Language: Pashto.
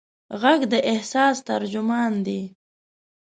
غږ د احساس ترجمان دی.